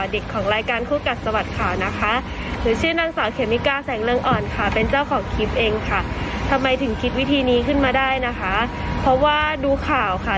ดิกของรายการคู่กับสวัสดิ์ข่าวนะคะ